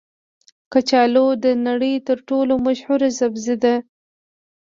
کچالو د نړۍ تر ټولو مشهوره سبزي ده